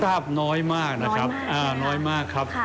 ทราบน้อยมากนะครับน้อยมากครับ